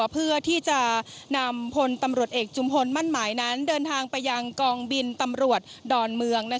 เพื่อที่จะนำพลตำรวจเอกจุมพลมั่นหมายนั้นเดินทางไปยังกองบินตำรวจดอนเมือง